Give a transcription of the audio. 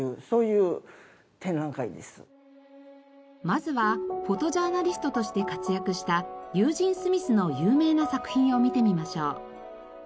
まずはフォトジャーナリストとして活躍したユージン・スミスの有名な作品を見てみましょう。